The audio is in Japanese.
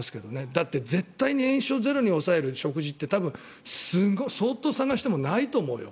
だって絶対に炎症をゼロに抑える食事って相当探してもないと思うよ。